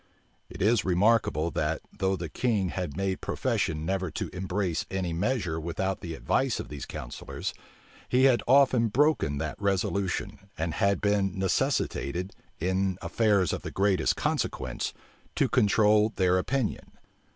It is remarkable that, though the king had made profession never to embrace any measure without the advice of these counsellors, he had often broken that resolution, and had been necessitated, in affairs of the greatest consequence, to control their opinion.